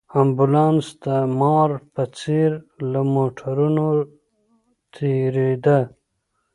امبولانس د مار په څېر له موټرو تېرېده.